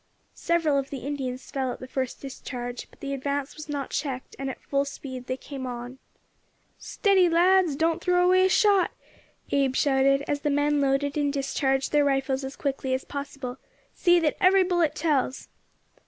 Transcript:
Several of the Indians fell at the first discharge, but the advance was not checked, and at full speed they came on. "Steady, lads; don't throw away a shot," Abe shouted, as the men loaded and discharged their rifles as quickly as possible; "see that every bullet tells."